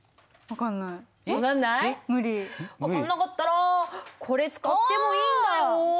分かんなかったらこれ使ってもいいんだよ。